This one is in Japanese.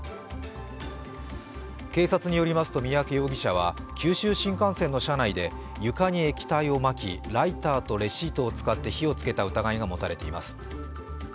警察によりますと三宅容疑者は九州新幹線の車内で床に液体をまき、ライターとレシートを使って火をつけた疑いが持たれています。